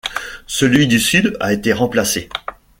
Celui du sud a été remplacé.